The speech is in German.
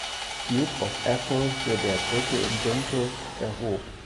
Duke of Atholl für der Brücke in Dunkeld erhob.